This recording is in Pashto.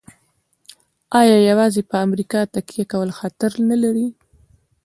آیا یوازې په امریکا تکیه کول خطر نلري؟